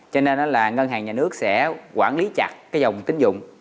cho nên là ngân hàng nhà nước sẽ quản lý chặt cái dòng tín dụng